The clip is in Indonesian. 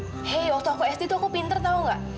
hei waktu aku sd tuh aku pinter tahu nggak